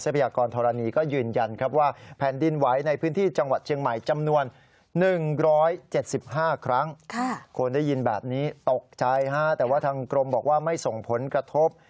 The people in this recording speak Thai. คนได้ยินแบบนี้ตกใจฮะแต่ว่าทางกรมบอกว่าไม่ส่งผลกระทบ